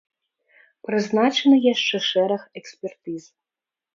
Прызначаны яшчэ шэраг экспертыз.